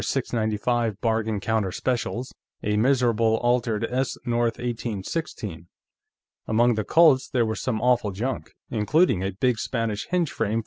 95 bargain counter specials, a miserable altered S. North 1816. Among the Colts, there was some awful junk, including a big Spanish hinge frame